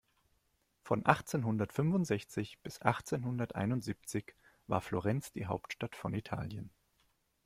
Von achtzehnhundertfünfundsechzig bis achtzehnhunderteinundsiebzig war Florenz die Hauptstadt von Italien.